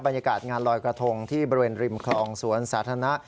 บรรยากาศงานลอยกระทงที่บริเวณริมคลองสวนสาธารณะ